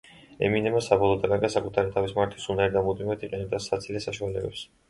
ემინემმა საბოლოოდ დაკარგა საკუთარი თავის მართვის უნარი და მუდმივად იყენებდა საძილე საშუალებას.